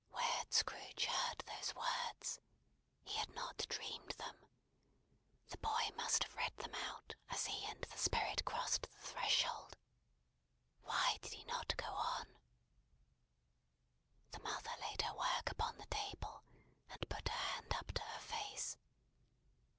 '" Where had Scrooge heard those words? He had not dreamed them. The boy must have read them out, as he and the Spirit crossed the threshold. Why did he not go on? The mother laid her work upon the table, and put her hand up to her face.